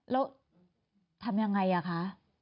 แล้วทำยังไงคะ